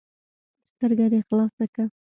ـ سترګه دې خلاصه که.